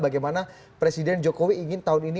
bagaimana presiden jokowi ingin tahun ini